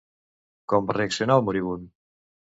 Com va reaccionar el moribund?